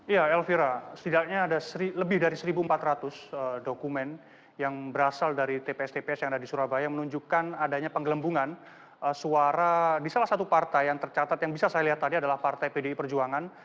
ya elvira setidaknya ada lebih dari satu empat ratus dokumen yang berasal dari tps tps yang ada di surabaya menunjukkan adanya penggelembungan suara di salah satu partai yang tercatat yang bisa saya lihat tadi adalah partai pdi perjuangan